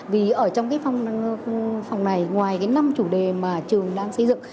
vì ở trong cái phong này ngoài cái năm chủ đề mà trường đang xây dựng